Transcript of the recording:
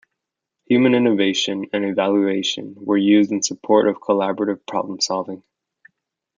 Human innovation and evaluation were used in support of collaborative problem solving.